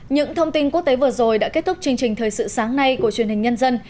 những thông tin quốc tế vừa rồi đã kết thúc chương trình thời sự sáng nay của truyền hình nhân dân